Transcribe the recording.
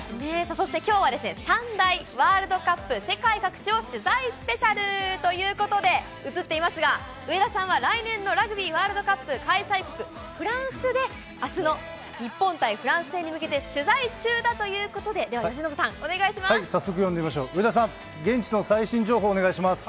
そしてきょうは、３大ワールドカップ世界各地を取材スペシャルということで、映っていますが、上田さんは来年のラグビーワールドカップ開催国、フランスで、あすの日本対フランス戦に向けて取材中だということで、では由伸早速、呼んでみましょう、上田さん、現地の最新情報、お願いします。